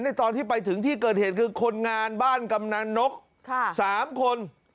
ตอนที่ไปถึงที่เกิดเหตุคือคนงานบ้านกำนันนก๓คน